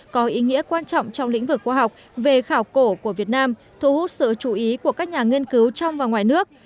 có ý nghĩa quan trọng trong lĩnh vực khoa học về khảo cổ của việt nam thu hút sự chú ý của các nhà nghiên cứu trong và ngoài nước